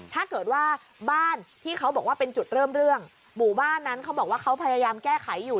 ถ้าเกิดว่าบ้านที่เขาบอกว่าเป็นจุดเริ่มเรื่องหมู่บ้านนั้นเขาบอกว่าเขาพยายามแก้ไขอยู่